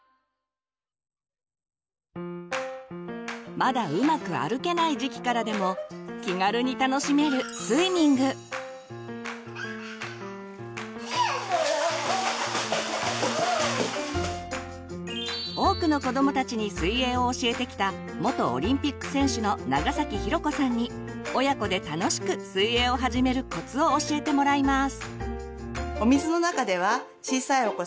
まだうまく歩けない時期からでも気軽に楽しめる多くの子どもたちに水泳を教えてきたに親子で楽しく水泳を始めるコツを教えてもらいます。